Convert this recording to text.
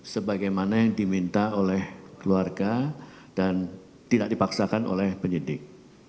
sebagaimana yang diminta oleh keluarga dan tidak dipaksakan oleh penyidik